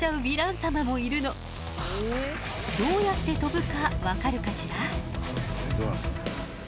どうやって飛ぶか分かるかしら？